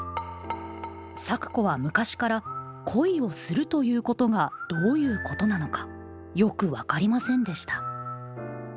咲子は昔から恋をするということがどういうことなのかよく分かりませんでした。